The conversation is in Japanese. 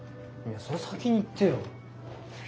それ先に言ってよ。